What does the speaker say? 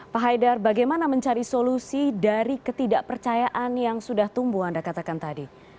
pak haidar bagaimana mencari solusi dari ketidakpercayaan yang sudah tumbuh anda katakan tadi